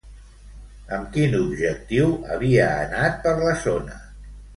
Amb quin objectiu havia anat per la zona?